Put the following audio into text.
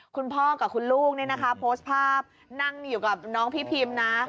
คุณพ่อกับคุณลูกนี่นะคะโพสต์ภาพนั่งอยู่กับน้องพี่พิมนะ